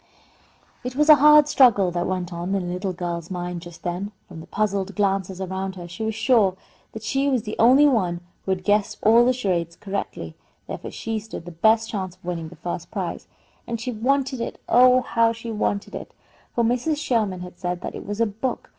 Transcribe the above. It was a hard struggle that went on in the little girl's mind just then. From the puzzled glances around her she was sure that she was the only one who had guessed all the charades correctly; therefore she stood the best chance of winning the first prize, and she wanted it oh, how she wanted it! for Mrs. Sherman had said that it was a book.